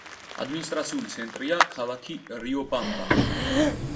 ადმინისტრაციული ცენტრია ქალაქი რიობამბა.